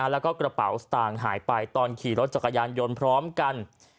แล้วก็กระเป๋าสตางค์หายไปตอนขี่รถจักรยานยนต์พร้อมกัน